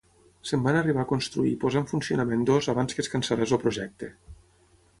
Se'n van arribar a construir i posar en funcionament dos abans que es cancel·lés el projecte.